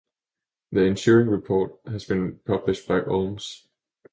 The ensuing report has been published by Olms.